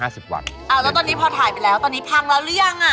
แล้วตอนนี้พอถ่ายไปแล้วตอนนี้พังแล้วหรือยังอ่ะ